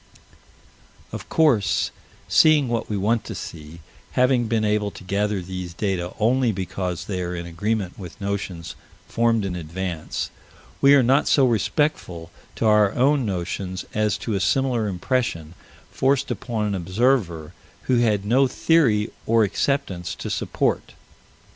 Of course, seeing what we want to see, having been able to gather these data only because they are in agreement with notions formed in advance, we are not so respectful to our own notions as to a similar impression forced upon an observer who had no theory or acceptance to support.